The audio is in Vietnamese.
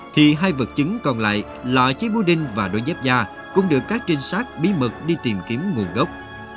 thì hai vật chứng còn lại là chiếc búa đinh và đôi dép da cũng được các trinh sát bí mật đi tìm kiếm nguồn gốc